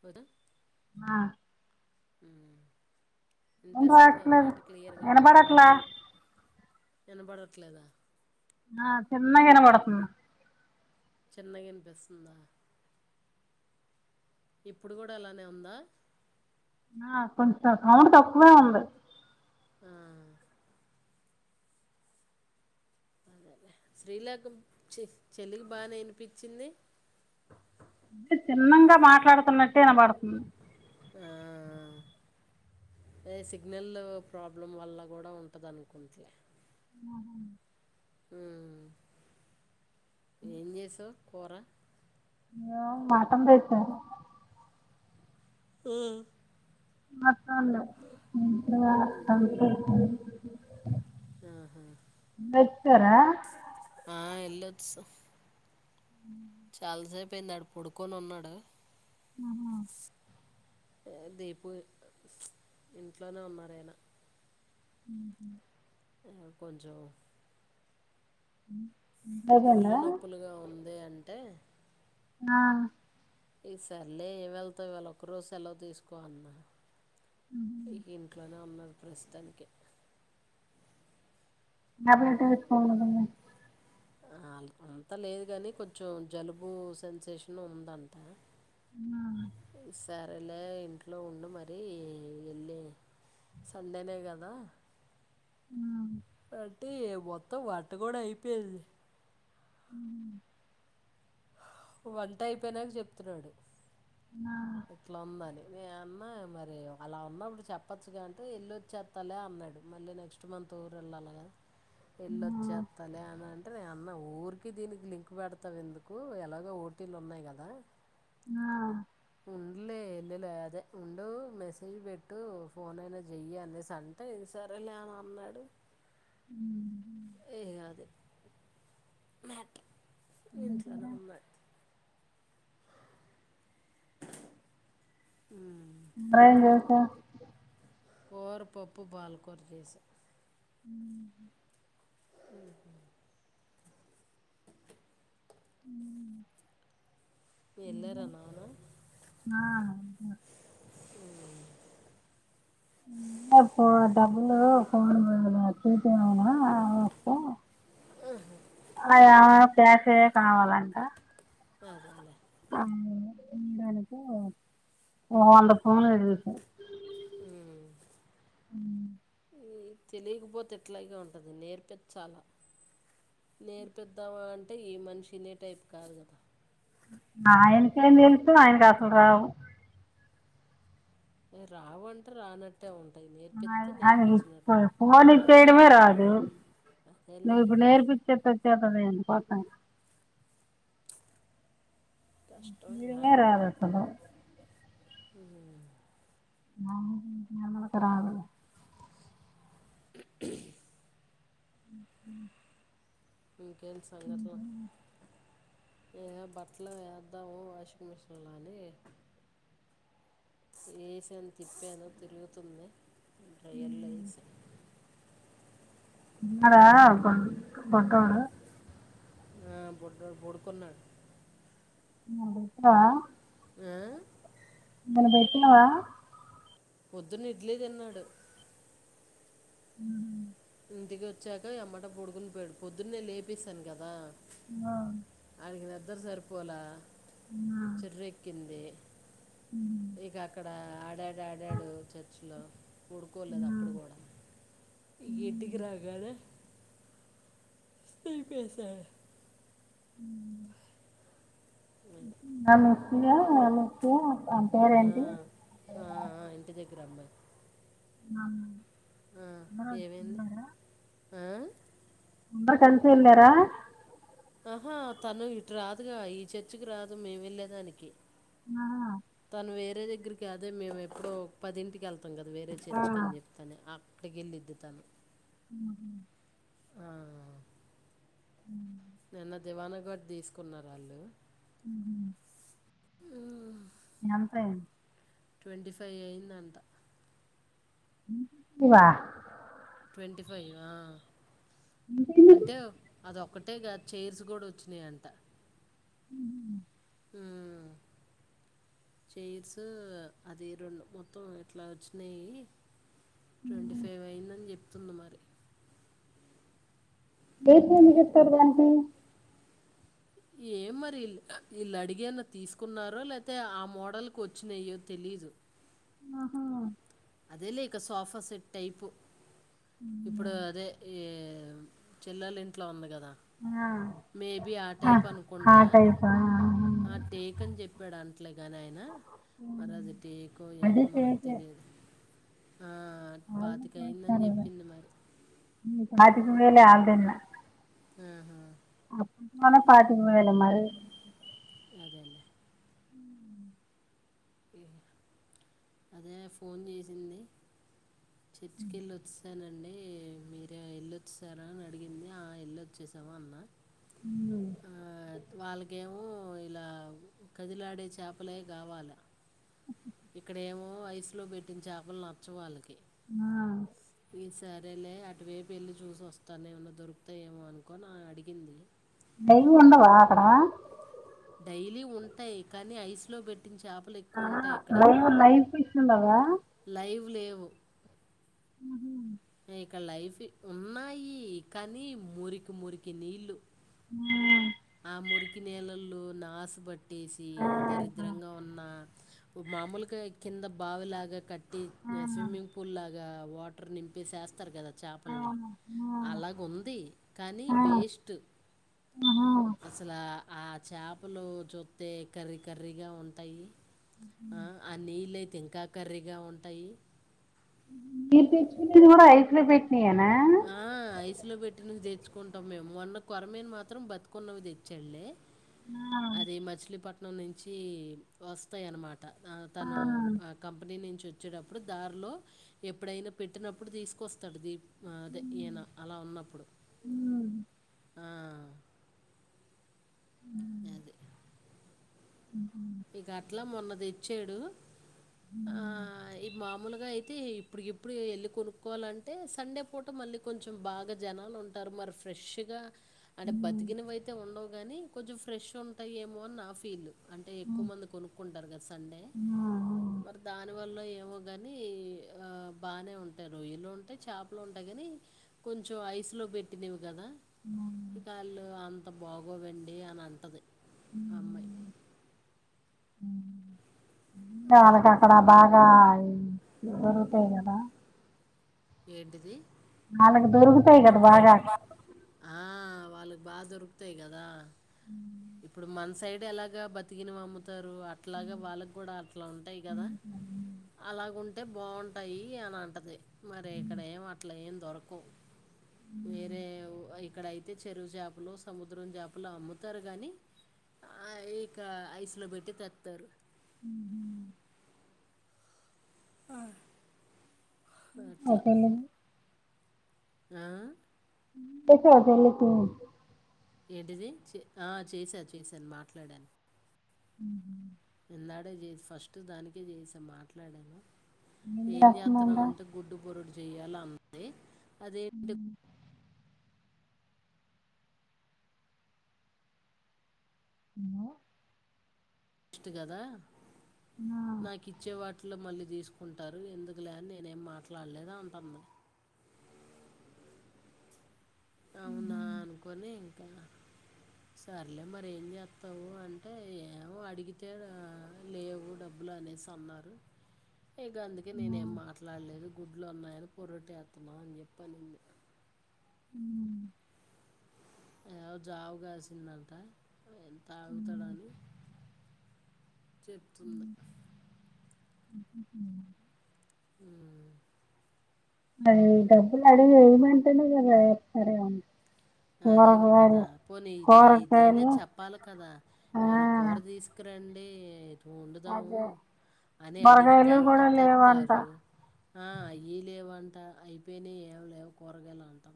పొద నా. వినిపిస్తుందిగా ఇన్రాట్లేదు, మాట ఇనాబడట్ల. ! ఇన్ బడట్లేదా.? ! ఆ చిన్నగా ఇనబడతుంది. చిన్నగిన్పిసుందా.? ! ఇప్పుడు గూడా అలానే ఉందా.? ఆ కొంచెం సౌండు తక్కువే ఉంది. ఆ, అదే శ్రీలేఖ చి చెలగి బానే ఇనిపిచింది. !? అంటే చిన్నంగా మాట్లాడుతున్నట్టు ఇనబడుతుంది. ఆఆ. ఏ సిగ్నల్ల్ ప్రాబ్లం వల్ల గూడా ఉంటుందనుకుంట్లె. ఊమ్మ్, ఏం జేసావ్ కూరా.? ! న్యా మట్టన్ దేచ్చా. మ్మ్. మత్తన్నవ్ [unintelligible] ఆహా. ! వొచ్చారా. ! ఆ ఏల్లోచ్సం. చాల్సేపెంది ఆడు పడుకొనున్నాడు. ఆహా. ! ఏ దీపు ప్చ్ ఇంట్లోనే ఉన్నారయనా. ! ఊహు. ఏమో కొంజొం. ఒళ్లు అయిపోయిందా నొప్పులుగా ఉంది అంటే. న్హా. ఈ సర్లే ఏం వెళ్తావు ఈవాళ్ళొక్కరోజు సెలవు తీసుకో అన్నా. ఈకింట్లోనే ఉన్నారు ప్రస్తానికి. టాబ్లెట్ ఏసుకోవాల్సింది. ఆ అల్ అంతా లేదు గాని కొంచెం జలుబు సెన్సేషన్ ఉందంటా. ఆ సరేలే ఇంట్లో ఉండు మరి ఏళ్ళి. సండేనే గదా. ! ఆ. అంటే, మొత్తం వంట గూడా అయిపెంది. ఉహూ. వంటైపోయినాక జేప్తున్నాడు. ఆ ఇట్లా ఉందని. నే అన్నా మరి అలా ఉన్నప్పుడు చెప్పచ్చుగాంటే ఎల్లొచ్చేత్తలే అన్. న్నాడు. మళ్ళీ నెక్స్ట్ మంత్ ఊరెళ్ళల గదా, ఎల్లొచ్చెత్తలే అన్ అన్. టే నే అన్నా, ఊరికే దీనికి లింక్ బెడతావెందుకు.? ఎలాగో ఓటీలున్నాయి గదా. ! న్హా. ఊండ్లే. పెళ్ళిలే అదే ఉండూ, మెసేజ్ బెట్టు., ఫోన్ అయినా జేయ్యి అనేసి అంటే సరేలే అన. అన్నాడు ఏం ఏ అది మేటర్ కూర ఇంట్లోనే ఉ మ్యాట్ [inaudible] ఉ అరేం చసా కూరపప్పు బాలకూర చేస హ ఆహు ఉ వెళ్ళారా అవును నాన్న ఆ అవును [inaudible] పో డబ్బులు పో చూటినాస్త అమ ప్యాసయ కావాలంట అదలేే ఆడానికి ఓ వంద ఫోన్లేడిదుస ఉ ఈ తెలియకపోతే ఎట్లాగ ఉంటది నేర్పే చాలా నేర్పద్దామా అంటే ఈ మనిషినే టైప్ కాదు కదా ఆయనకేం తెలుసు ఆయనకు అసలు రావు రావు అంటే రానట్టే ఉంటంది ది ఇ పోన్చ్చయడమే రాదు అదేలే నువు ఇప్పు నేర్ పచత వచ్చాదనేే అ పాతను కష్టం మీరుంగే రాదసదం అ ఆక్క రాదు [inaudible] ఆహా ఇంకంటి సంగతులు ఏదో బట్టలు వేద్దాము వాషింగ్ మిషన్లోని ఏసన్ తిప్పాను తిరుగుతుంది డ్రయల్స ఉందా ఎార పంటడా ఆ బడ్ బోర్కున్నా హు ఆ ఎమన పట్టినవ పొద్దున్న ఇడ్లే తిన్నాడు హ ఇంటికి వచ్చాక ఈ మాటె పడుకుని పోయాడు పొద్దున్నేను లేపిస్తాను కదా ఆ వాణికి నిద్దర సరిపోలా చెర్ర ఎక్కింది ఉమ్, ఇక అక్కడ ఆడాడు ఆడాడు చర్చి లో పడుకోలేదు ఆ. అక్కడ కూడా ఇగ ఇంటికి రాగానీ శ్లీపసదు ఉ మస్తయా నమస్తయా ఆ ఆ ఇంటి దకుర అమ్మా ఆ ఆ, ఏమైంది అజందార [inaudible] ఆ? అందరు కలిసి ఎలారా ఆహా తను ఇటు రాదుగా ఈ చర్చికి రాదు మేము వెళ్ళలేదానికి ఆ, తను వేరే దగ్గరికి అదే మేము ఎప్పుడో పదింటికి వెళ్తాం తం వేరే ఆ, చర్చ్ కని చెప్తాను అక్కటిగిలిద్ తను ఉ ఆ ఉ నిన్న దివాన గుడ్ తీసుకున్నారాళ్ళు ఉ యాన్ పెన్ ట్వంటీ ఫైవ్ అయిదంట వా ట్వంటీ ఫైవ్ ఆ ఇంకేంటి అంటే అదొకటి అంతేగా చెర్స్ గుడా వచ్చినాయంట హ్మ్ చెర్స్ అది రెండు మొత్తం ఎట్లా వచ్చినాయి ట్వంటీ ఫైవ్ అయిందని చెప్తుంది మరి దేన్కెందుకు చెప్తరు దానికి ఏం మరి ఇళ్ళు అడిగి ఏమన్నా తీసుకున్నారో లేతే ఆ మోడల్కు వచ్చినాయ్యో తెలి ఫీజు ఆహా అదేలే ఇక సోఫా సెట్ టైపు ఇప్పుడు అదే ఏ చెల్లెల్ ఇంట్లో ఉంది కదా ఆ, మేబీ ఆ టైప్ ఆ అనుకుంట టైపా ఆహా. టెక్ అని చె ప్పాడాంట్లే గానీ ఆయన మరి అది టెకో అది ఏమో మనకు చేసే తెలియదు. ఆ వాళ్ళు పాతికయిందని చెప్పింది మరి పాతికవేలే ఆన్లైన్ లా హ్మ్ హు అప్పుడు మళ్ళా పాతికవేలే మరి అదేలేే అదే ఫోన్ చేసింది చర్చ్ కెళ్ళి వచ్చెసన అండి మీరు ఏళ్ళోచ్చారా అని అడిగింది ఆ ఏళ్ళోచ్చేసాము అన్న ఉమ్. ఆ వాళ్ళకేమో ఇలా కదిలాడే చాపలే కావాల ఇక్కడేమో ఐస్ లో పెట్టిన చాపల్ నచ్చవ్ వాళ్ళకి నా ఈ సరేలే అటువైపు వెళ్లి చూసోస్త ఏమన్నా దొరుకుతాయేమో అనుకోని అడిగింది డైలీ ఉండవా అక్కడ డైలీ ఉంటయి కనీ ఐస్ లో పెట్ ఆ ఆ లైవ్ లైవ్ ఫిష్ ఉండవా లైవ్ లేవు ఇక్కడ లైఫీ ఉన్నాయి కనీ మురికి మురికి నీళ్ళు ఆ మురికి నీళ్ళల్లో నాసు పట్టేసి ఆ దరిద్రంగా ఉన్న మామూల్గా కింద బావిలాగ కట్టి స్విమ్మిింగ్ ఫూల్ లా ఇగా వాటర్ నింపి సేస్తర్ గదా చాపల్ని అలాగ ఉంది కానీ వేస్ట్ ఆ ఆ చాపలు చూత్తే కర్రీ కర్రీగా ఉంటాయి. ఆ ఆ నీళ్ళయితే ఇంకా కర్రీగా ఉంటాయి. మీరు తెచ్చుకున్నాయి గుడా ఐస్ లే పెట్నీయేనా ఆ ఐసులో పెట్టినవి తెచ్చుకుంటాం మేము మొన్న కొరమేను మాత్రం బతుకున్నవి తెచ్చడ్ లే అది మచిలీపట్నం నుంచి వస్తయి అన్మా ఆ తను ఆ కంపెనీ నుంచి వచ్చేటప్పుడు దారిలో ఎప్పుడైనా పెట్టినప్పుడు తీసుకొస్తాడు దీ ఆ అదే ఈయన అలా ఉన్నప్పుడు ఆ, అదే మ్ ఇక అట్లా మొన్న తెచ్చాడు ఆ ఈ మామూలుగా అయితే అయితే ఇప్పుడుకి ఇప్పుడు వెళ్ళి కొనుక్కవాలంటే సండే పూట మళ్ళీ కొంచెం బాగా జనాలు ఉంటారు మరిఫ్య ఫ్రెష్ గా అంటే బతికినవి అయితే ఉండవు గాని కొంచెం ఫ్రెష్ ఉంటాయమో నా ఫీల్ అంటే ఎక్కువ మంది కొనుక్కుంటారు కదా సండే మరి దాని వల్లొ ఏమ్ ఓ గని ఆ బానే ఉంటారు ఏనావుంటే చాప్ లో ఉంటా గనీ కొంచెం ఐ ఐసు లో పెట్టినవి కదా కాళ్ళు అంత బాగోవండి అని అంటది ఆ అమ్మాయ్ వాళ్ళకి అక్కడ బాగా దొరుకుతాయి కదా ఏంటిది వాళ్ళకి దొరుకుతాయి కదా బాగా ఆ! వాళ్ళకి బా దొరుకుతాయి కదా ఇప్పుడు మన సైడ్ ఎలాగ బతికినమవ్వుత తారు అట్లాగా వాళ్ళకు కూడా అట్లా ఉంటాయి కదా అలాగుంటే అంటే బాగుంటాయి అని అంటది మరి ఇక్కడ ఏం అట్ల ఏం దొరకవ్ వేరేవ్ ఇక్కడైతే చెరువుచాపలు సముద్రం చేపలు అమ్ముతారు కానీ ఆ ఇక ఐసులో పెట్టీ తెత్తారు ఉ ఆ చెప్పండి ఆ చెప్పు ఆ పిల్ల కి ఏంటిది చే ఆ చేసా చేశాను మాట్లాడాను ఉ మోన్నాడే చేసి ఫస్ట్ దానికే చేసా మాట్లాడాను ఏం చేతన్నాం అంటే గుడ్డు పోరుటు చెయ్యాలి అంది అదేంటి అ ఇస్ట్ కదా నాకిచ్చేవాటి అట్లు మళ్ళీ తీసుకుంటారు ఎందుకులే అని నేనేం మాట్లాడలేదా అంటంది అ అవునా అనుకొని ఇంకా సర్లే మరి ఏం చెత్తావు అంటే ఏమో అడిగితే లేవు డబ్బులు లు అనేసన్నారు ఇక అందుకే నేనుం మాట్లాడలేదు గుడ్లు ఉన్నాయని పొరుటు ఏత్తనం అని చెప్పింది. మ్ ఏవో జావు కాసిందంట తాగుతాడని చెప్తుంది ఉ అ డబ్బులు అడిగ ఎయిమంటేనే కదా ఎత్తారు అని అదే కదా పోనీ ఇది ఇదయినా కూరగాయలు చెప్పాలి కదా ఆ ఏమన కూర తీసుకురండి అంటే వోడుంతాము అదే అని అడిగితే కూరగాయలు కూడా లేవంట తెత్తారు ఆ అయ్యే లేవంట అంట అయిపోయినా ఏవ లేవు కూరగాయలు అంటా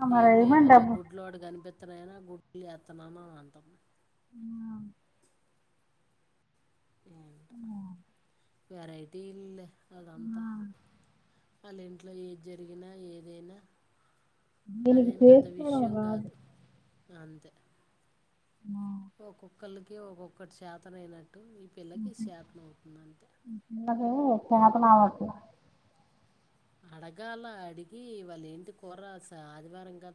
అ మరై గాని డబ్బే వాడు కనిపిస్తున్నా అయినా ఆ గుడ్లు ఎత్తాన్నాను అని అంటుంది ఆ [inaudible] ఆఓ వెరైటీ ఇల్ అదంతా వాళ్ళ ఇంట్లో ఏది జరిగినా ఏదైనా ఎకు అదేం పెద్ద ఫసుకోడం విషయం వ రాదు కాదు అంతే ఆ ఒక్కొక్కళ్ళకి ఒక్కొక్కటి శాతన అయినట్టు మ్ వాడు చేతనవట్ల అడగాల అడిగి వాళ్ళు ఏంటి కూరస ఆదివారంగా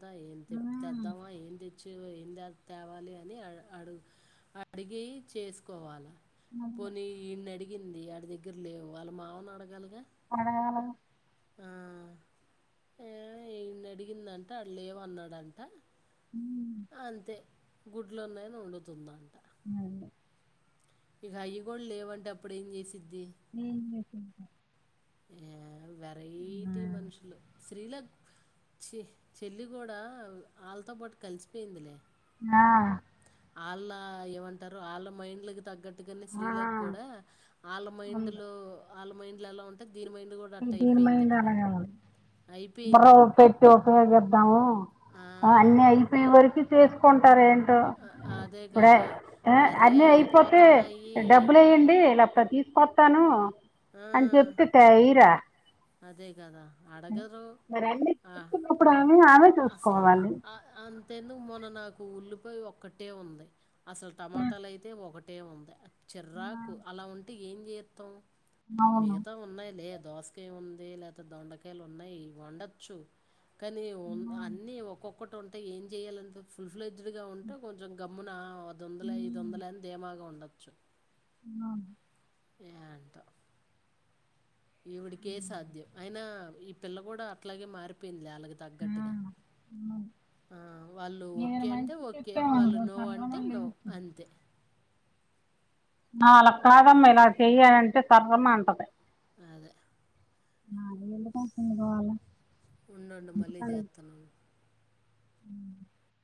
ద్దావా ఏం తెచ్చ ఏ తేవాలి అని అడు అడిగి చేసుకోవాలి పోనీ ఈయన్ని అడిగింది ఆడి దగ్గర లేవు వాళ్ళ మావని అడగాలిగా అడగాలా ఏ అడిగిందంట ఆడు లేవునానాడు అంట అంతే గుడ్లున్నైని వండుతుంద అ డి ఇక అయ్య కూడా లేవంటే అప్పుడేం చేసి మ్మ్ మ్మ్ ఆ వెరైటీ మనుషులు శ్రీల చె చెల్లి కూడా ఆళ్లతో పాటు కలిసిపోయిందిలే ఆ ఆళ్ళ ఏమంటారు ఆళ్ళ మైండ్ కి తగ్గట్టు అందుకనే ఆ స్త్రీలకు కూడా ఆళ్ళ మైండ్ ఉంది లో ఆళ్ళ మైండ్ లో ఎలా ఉంటే దీని మైండ్ కూడా అట్ట అయిపోయింది ప్రనిమైంది ఇప్పుడు అడగాలం మరో అయిపోయింది పెట్టి ఉపయ చేద్దాము ఆ, అన్ని అయిపోయే వరకు చేసుకుంటార ఏంటి అ- అదే ఇప్పుడే కదా అరే అన్న అయిపోతే అయిపోతున్నాయి డబ్బులుయడి ఇలా ప్రతి కొస్తాను ఆ, అని చెప్త క హరా అదే కదా అడగరు అన్నీ ఆ చూసుకున్నప్పుడు ఆమె ఆమె అసలు చూసుకోవాలి అ తె ఎందుకు మొన్న నాకు ఉల్లిపాయ ఒక్కటే ఉంది అసలు టమాటాలు అయితే ఒకటే ఉంది చెర్రాకు అలా ఉంటే ఏం చేస్తాం అవును మిగతా ఉన్నాయి లేదు దోసకాయ ఉంది లేదా దొండకాయలు ఉన్నాయి వండొచ్చు కానీ అన్ని ఒక్కొక్కటి ఉంటే ఏం చెయాలంట ఫుల్ ఫ్లజడ్ గా ఉంటే కొంచెం గ అమ్మున అ దొందలే ఇ దొందలని ధేమాగా ఉండొచ్చు అవు ఏంటో ఈవిడికే సాధ్యం అయినా ఈ పిల్ల కూడా అట్లాగే మారిపోయింది అలాగ తగ్గాటుగా ఆ వాళ్ళు నేను ఓకే అంటే మంచి ఓకే వాళ్ళు చెప్పామనుకో నో అంటే సర్రమని నో లేచి అంతే నాల కాదమ్మా ఇలా చెయ్యాలంటే తర్రమా అంటది అదే. నా ఏళ కాస కాల ఉండం మళ్ళీ చేస్తాన్నా అ